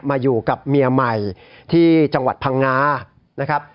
มาอยู่กับเมียใหม่ที่จังหวัดพังงานะครับ